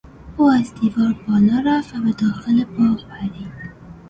او از دیوار بالا رفت و به داخل باغ پرید.